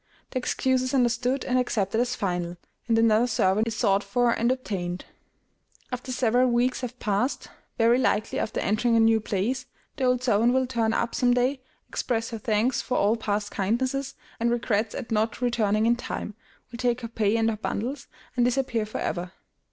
The excuse is understood and accepted as final, and another servant is sought for and obtained. After several weeks have passed, very likely after entering a new place, the old servant will turn up some day, express her thanks for all past kindnesses and regrets at not returning in time, will take her pay and her bundles, and disappear forever.